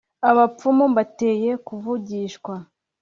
abapfumu mbateye kuvugishwa,